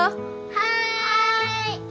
はい！